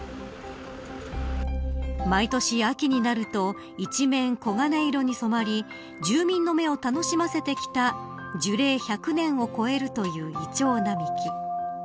毎年、秋になると一面、黄金色に染まり住民の目を楽しませてきた樹齢１００年を超えるイチョウ並木。